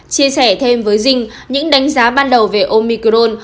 chia sẻ thêm với dinh những đánh giá ban đầu về omicron